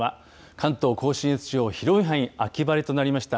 関東甲信越地方、広い範囲、秋晴れとなりました。